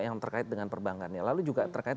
yang terkait dengan perbankannya lalu juga terkait